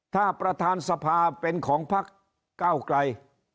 ถ้าประธานสภาเป็นของพักเก้าไกล